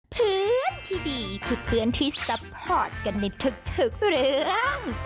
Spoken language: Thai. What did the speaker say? เพื่อนที่ดีคือเพื่อนที่ซัพพอร์ตกันในทุกเรื่อง